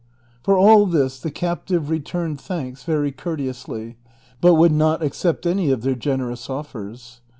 For all this the captive returned thanks very courteously, but would not accept any of their generous offers.